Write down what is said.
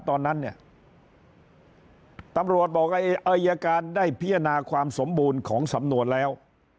ตอนนั้นเนี่ยตำรวจบอกอายการได้พิจารณาความสมบูรณ์ของสำนวนแล้ว